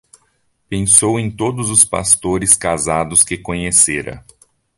Pensou em todos os pastores casados que conhecera.